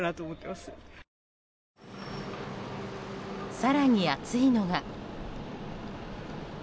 更に暑いのが。